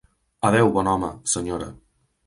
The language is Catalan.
Adeu, bon home, senyora.